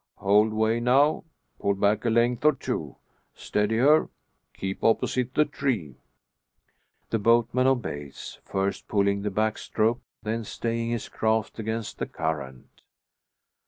"Hold way now! Pull back a length or two. Steady her. Keep opposite the tree!" The boatman obeys; first pulling the back stroke, then staying his craft against the current.